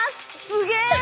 すげえ！